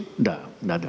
tidak tidak ada